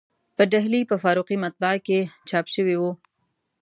په ډهلي په فاروقي مطبعه کې چاپ شوی و.